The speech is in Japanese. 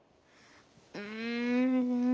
うん。